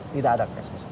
tidak ada cashless